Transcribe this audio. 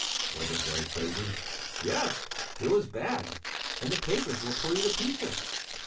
Was it very crazy?" "Yes, it was bad, and the papers will pull you to pieces."